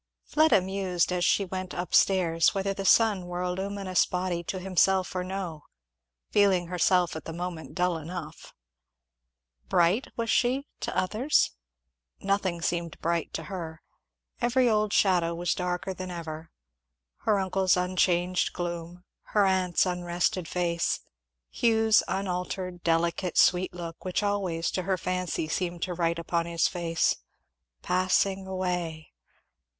Fleda mused as she went up stairs whether the sun were a luminous body to himself or no, feeling herself at that moment dull enough. Bright, was she, to others? nothing seemed bright to her. Every old shadow was darker than ever. Her uncle's unchanged gloom, her aunt's unrested face, Hugh's unaltered delicate sweet look, which always to her fancy seemed to write upon his face, "Passing away!"